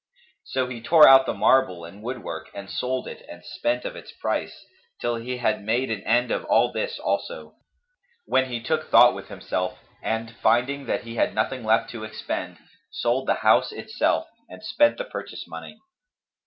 So he tore out the marble and wood work and sold it and spent of its price, till he had made an end of all this also, when he took thought with himself and, finding that he had nothing left to expend, sold the house itself and spent the purchase money.